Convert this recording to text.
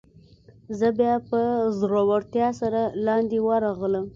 بیا زه په زړورتیا سره لاندې ورغلم.